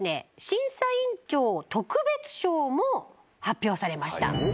審査委員長特別賞も発表されました。